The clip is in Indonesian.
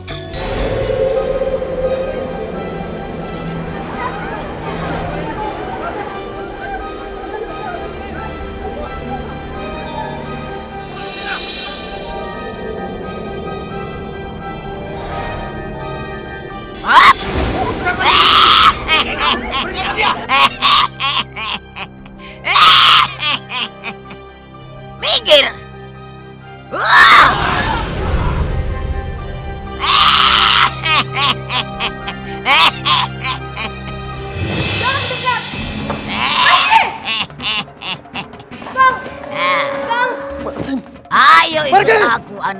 atau kau akan kudunasakan